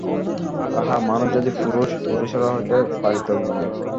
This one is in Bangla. আহা, মানুষ যদি পুরুষ, পুরুষেরা হইতে পারিত মেয়ে।